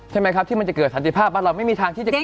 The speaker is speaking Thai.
ใช่มั้ยครับที่มันจะเกิดถันตีภาพอัตราไม่มีทางที่จะเกิด